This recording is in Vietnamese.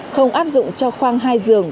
không áp dụng cho khoang hai giường